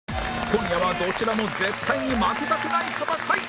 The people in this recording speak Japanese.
今夜はどちらも絶対に負けたくない戦い